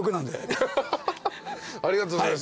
ありがとうございます。